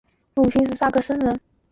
母亲是萨克森人。